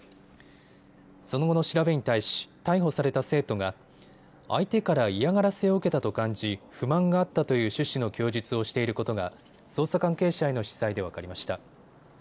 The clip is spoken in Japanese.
その後の調べに対し逮捕された生徒が相手から嫌がらせを受けたと感じ不満があったという趣旨の供述をしていることが捜査関係者への取材で分かりました。